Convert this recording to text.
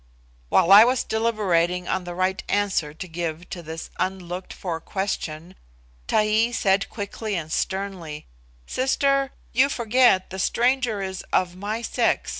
While I was deliberating on the right answer to give to this unlooked for question, Taee said quickly and sternly, "Sister, you forget the stranger is of my sex.